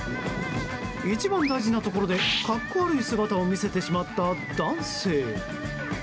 一番大事なところで格好悪い姿を見せてしまった男性。